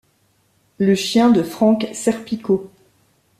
Le chien de Frank Serpico.